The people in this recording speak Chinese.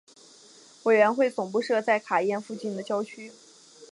委员会总部设在卡宴附近的郊区。